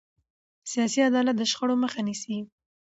سیاسي عدالت د شخړو مخه نیسي